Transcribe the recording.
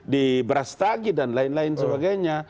di brastagi dan lain lain sebagainya